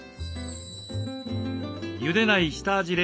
ゆでない下味冷凍